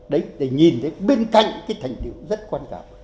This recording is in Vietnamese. đấy để nhìn đến bên cạnh cái thành tiêu rất quan trọng